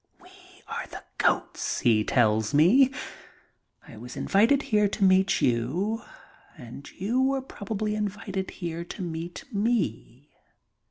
"We are the goats," he tells me. "I was invited here to meet you and you were probably invited here to meet me."